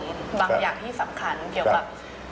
บางอย่างที่สำคัญเกี่ยวกับ